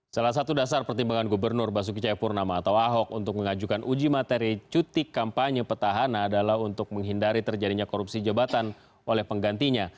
salah satu dasar pertimbangan gubernur basuki cayapurnama atau ahok untuk mengajukan uji materi cuti kampanye petahana adalah untuk menghindari terjadinya korupsi jabatan oleh penggantinya